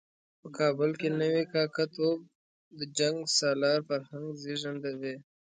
په کابل کې نوی کاکه توب د جنګ سالار فرهنګ زېږنده دی.